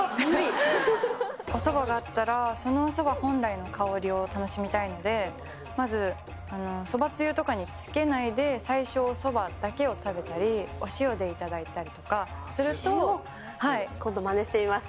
おそばがあったら、そのおそば本来の香りを楽しみたいので、まずそばつゆとかにつけないで、最初、そばだけを食べたり、今度、まねしてみます。